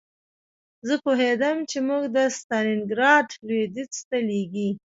زه پوهېدم چې موږ د ستالینګراډ لویدیځ ته لېږي